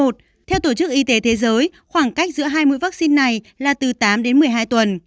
theo tổ chức y tế thế giới khoảng cách giữa hai mũi vaccine này là từ tám đến một mươi hai tuần